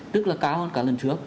tức là cao hơn cả lần trước